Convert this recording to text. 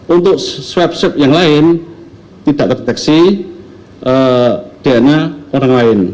untuk swab swab yang lain tidak terdeteksi dna orang lain